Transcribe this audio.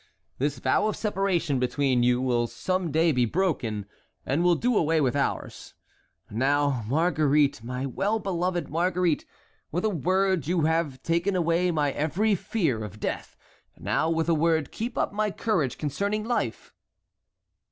This vow of separation between you will some day be broken, and will do away with ours. Now, Marguerite, my well beloved Marguerite, with a word you have taken away my every fear of death; now with a word keep up my courage concerning life."